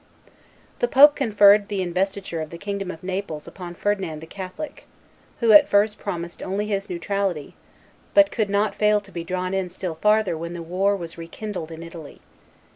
The pope conferred the investiture of the kingdom of Naples upon Ferdinand the Catholic, who at first promised only his neutrality, but could not fail to be drawn in still farther when war was rekindled in Italy.